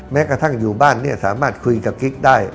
แม้กระทั่งอยู่บ้านสามารถคุยกับคลิกได้